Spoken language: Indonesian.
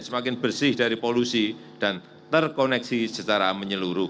semakin bersih dari polusi dan terkoneksi secara menyeluruh